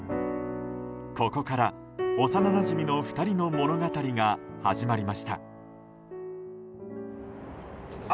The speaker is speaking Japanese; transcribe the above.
ここから幼なじみの２人の物語が始まりました。